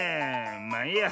まあいいや。